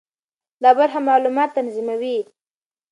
دا برخه معلومات تنظیموي.